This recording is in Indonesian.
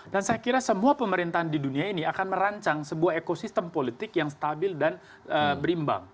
dan saya kira semua pemerintahan di dunia ini akan merancang sebuah ekosistem politik yang stabil dan berimbang